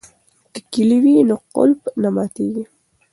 که کیلي وي نو قفل نه پاتیږي.